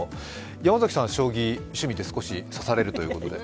山崎さん、将棋が趣味で少し指されるということで。